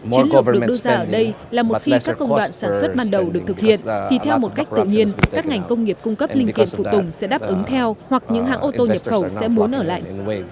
chiến lược được đưa ra ở đây là một khi các công đoạn sản xuất ban đầu được thực hiện thì theo một cách tự nhiên các ngành công nghiệp cung cấp linh kiện phụ tùng sẽ đáp ứng theo hoặc những hãng ô tô nhập khẩu sẽ muốn ở lại